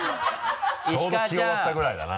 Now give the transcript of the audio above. ちょうど着終わったぐらいだな。